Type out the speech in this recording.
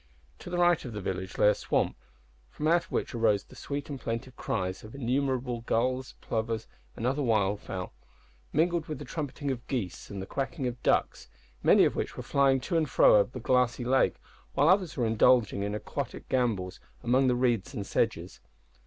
To the right of the village lay a swamp, from out of which arose the sweet and plaintive cries of innumerable gulls, plovers, and other wild fowl, mingled with the trumpeting of geese and the quacking of ducks, many of which were flying to and fro over the glassy lake, while others were indulging in aquatic gambols among the reeds and sedges.